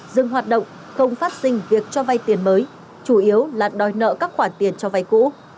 dừng hoạt động không phát sinh việc cho vay tiền mới chủ yếu là đòi nợ các khoản tiền cho vay cũ